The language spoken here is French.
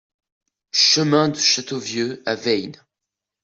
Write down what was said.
Chemin de Châteauvieux à Veynes